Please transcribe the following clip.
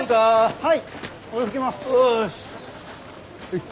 はい。